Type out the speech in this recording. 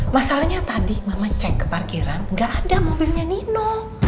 masalahnya tadi mama cek ke parkiran nggak ada mobilnya nino